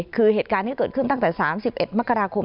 คือเหตุการณ์ที่เกิดขึ้นตั้งแต่๓๑มกราคม